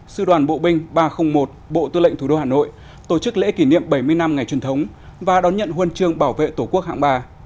sư đoàn bộ binh ba trăm linh một bộ tư lệnh thủ đô hà nội tổ chức lễ kỷ niệm bảy mươi năm ngày truyền thống và đón nhận huân chương bảo vệ tổ quốc hạng ba